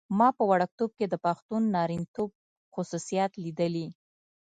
ما په وړکتوب کې د پښتون نارینتوب خصوصیات لیدلي.